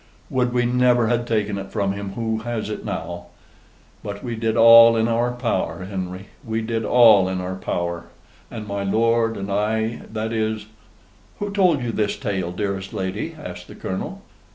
Would we never had taken it from him who has it now. But we did all in our power, Henry: we did all in our power; and my lord and I that is " "Who told you this tale, dearest lady?" asked the Colonel.